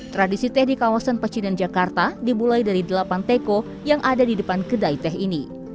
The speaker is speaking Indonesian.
tradisi teh di kawasan pecinan jakarta dimulai dari delapan teko yang ada di depan kedai teh ini